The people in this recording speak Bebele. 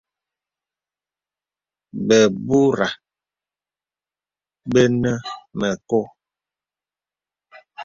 Bəbūrə bə nə mə kɔ̄.